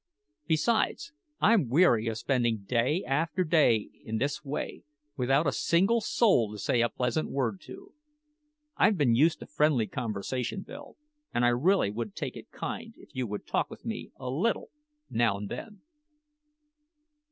Besides, I'm weary of spending day after day in this way, without a single soul to say a pleasant word to. I've been used to friendly conversation, Bill, and I really would take it kind if you would talk with me a little now and then."